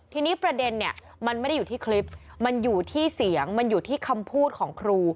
ทีนี้ประเด็นเนี่ยมันไม่ได้อยู่ที่คลิปมันอยู่ที่เสียงมันอยู่ที่คำพูดของครู